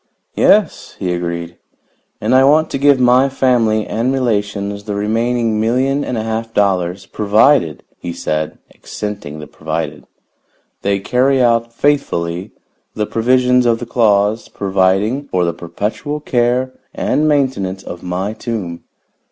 "Yes," he agreed. "And I want to give my family and relations the remaining million and a half dollars, provided," he said, accenting the 'provided,' "they carry out faithfully the provisions of the clause providing for the perpetual care and maintenance of my tomb.